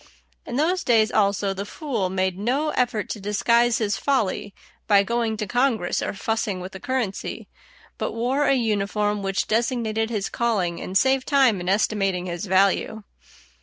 In those days also, the fool made no effort to disguise his folly by going to Congress or fussing with the currency, but wore a uniform which designated his calling and saved time in estimating his value.